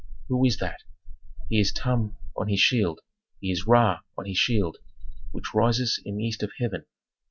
"Who is that? "He is Tum on his shield, he is Ra on his shield, which rises in the east of heaven.